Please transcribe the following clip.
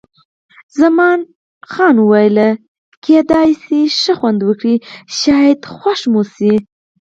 خان زمان وویل: کېدای شي ښه خوند وکړي، شاید خوښ مو شي.